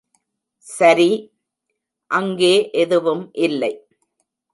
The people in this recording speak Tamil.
சரி – அங்கே எதுவும் இல்லை.